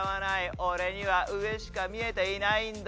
俺には上しか見えていないんだ。